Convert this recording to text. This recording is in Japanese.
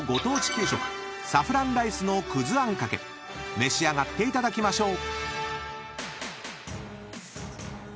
［召し上がっていただきましょう］